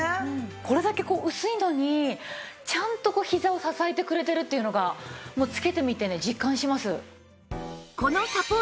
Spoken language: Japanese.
これだけこう薄いのにちゃんとひざを支えてくれてるっていうのが着けてみてね実感します。